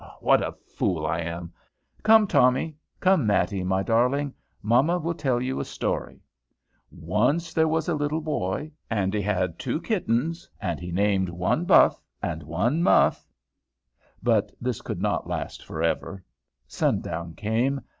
"What a fool I am! Come, Tommy. Come, Matty, my darling. Mamma will tell you a story. Once there was a little boy, and he had two kittens. And he named one Buff and one Muff" But this could not last for ever. Sundown came.